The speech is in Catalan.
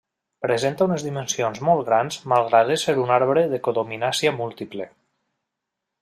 Presenta unes dimensions molt grans malgrat ésser un arbre de codominància múltiple.